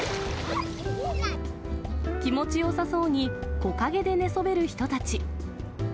気持ちよさそうに木陰で寝そべる人たち。